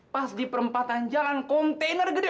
pas di perempatan jalan kontainer gede